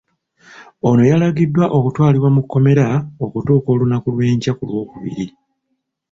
Ono yalagiddwa okutwalibwa mu kkomera okutuuka olunaku lw'enkya ku Lwokubiri.